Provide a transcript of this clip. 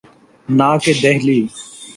نہ کہ دہلی۔